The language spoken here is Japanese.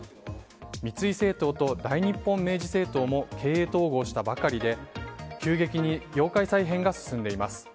三井製糖と大日本明治製糖も経営統合したばかりで急激に業界再編が進んでいます。